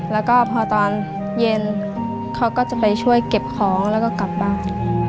แล้วก็พอตอนเย็นเขาก็จะไปช่วยเก็บของแล้วก็กลับบ้าน